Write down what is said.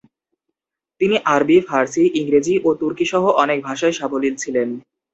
তিনি আরবি, ফরাসি, ইংরেজি ও তুর্কি সহ অনেক ভাষায় সাবলীল ছিলেন।